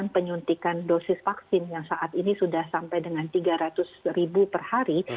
penyuntikan dosis vaksin yang saat ini sudah sampai dengan tiga ratus ribu per hari